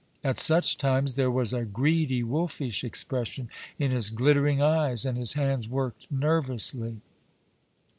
At such times there was a greedy, wolfish expression in his glittering eyes, and his hands worked nervously.